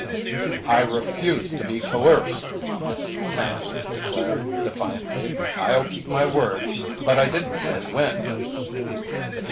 "I refuse to be coerced!" Canby declared, defiantly. "I'll keep my word, but I didn't say when."